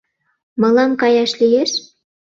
— Мылам каяш лиеш?